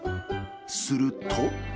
すると。